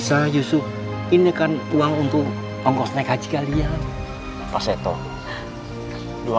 saya gak punya ibu